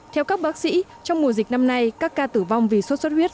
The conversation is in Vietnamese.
theo các bác sĩ trong mùa dịch năm nay các ca tử vong vì sốt xuất huyết